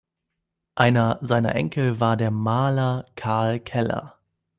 Einer seiner Enkel war der Maler Karl Keller.